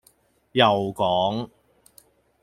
又講